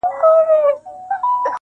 په اوومه ورځ موضوع له کوره بهر خپرېږي,